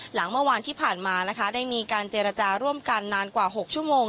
หลังเมื่อวานที่ผ่านมานะคะได้มีการเจรจาร่วมกันนานกว่า๖ชั่วโมง